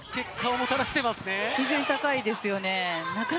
非常に高いですよね。